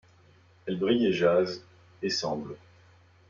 Elle brille et jase, et semble